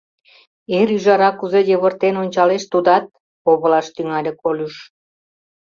— Эр ӱжара кузе йывыртен ончалеш, тудат... — овылаш тӱҥале Колюш.